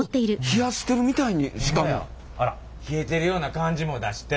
冷えてるような感じも出して。